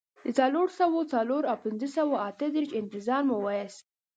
د څلور سوه څلور او پنځه سوه اته دیرشو انتظار مو وېست.